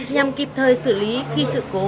nhằm kịp thời xử lý khi sự cố